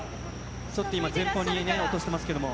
ちょっと今、前方にね、落としてますけれども。